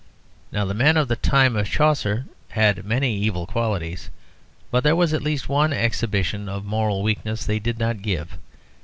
Now, the men of the time of Chaucer had many evil qualities, but there was at least one exhibition of moral weakness they did not give.